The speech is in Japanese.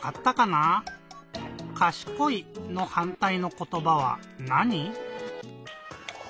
「かしこい」のはんたいのことばはなに？